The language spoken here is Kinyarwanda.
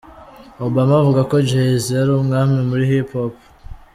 Obama avuga ko Jay Z ari umwami muri Hiphop.